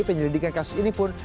penyelidikan kasus ini pun